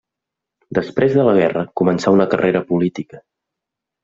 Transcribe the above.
Després de la guerra, comença una carrera política.